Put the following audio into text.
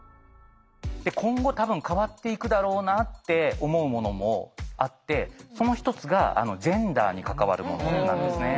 今後多分変わっていくだろうなって思うものもあってその一つがジェンダーに関わるものなんですね。